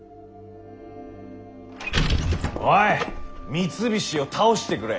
三菱を倒してくれ！